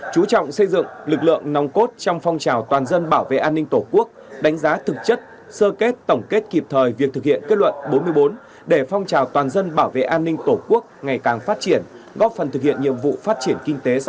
chú trọng xây dựng lực lượng nòng cốt trong phong trào toàn dân bảo vệ an ninh tổ quốc đánh giá thực chất sơ kết tổng kết kịp thời việc thực hiện kết luận bốn mươi bốn để phong trào toàn dân bảo vệ an ninh tổ quốc ngày càng phát triển góp phần thực hiện nhiệm vụ phát triển kinh tế xã hội